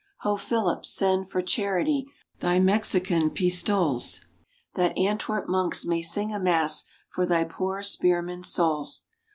Ho! Philip, send, for charity, thy Mexican pistoies, That Antwerp monks may sing a mass for thy poor spear men's souls.